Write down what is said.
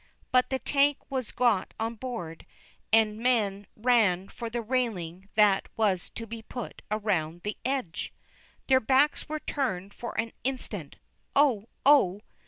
But the tank was got on board, and men ran for the railing that was to be put around the edge. Their backs were turned for an instant. Oh! Oh!